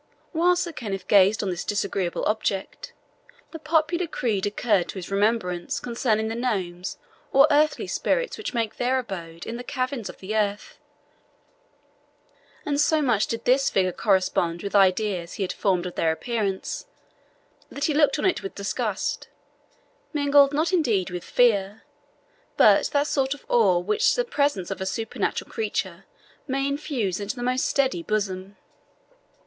While Sir Kenneth gazed on this disagreeable object, the popular creed occurred to his remembrance concerning the gnomes or earthly spirits which make their abode in the caverns of the earth; and so much did this figure correspond with ideas he had formed of their appearance, that he looked on it with disgust, mingled not indeed with fear, but that sort of awe which the presence of a supernatural creature may infuse into the most steady bosom.